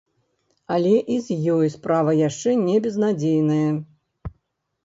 Але і з ёй справа яшчэ не безнадзейная.